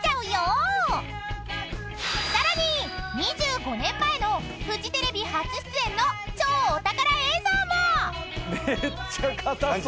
［さらに２５年前のフジテレビ初出演の超お宝映像も！］